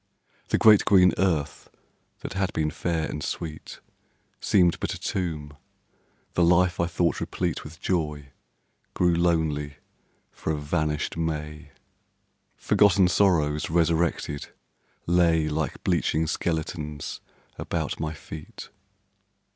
The great green earth that had been fair and sweet, Seemed but a tomb; the life I thought replete With joy, grew lonely for a vanished May. Forgotten sorrows resurrected lay Like bleaching skeletons about my feet.